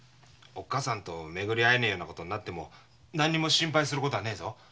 おっかさんと巡り会えねえようなことになっても心配することはねえぞ。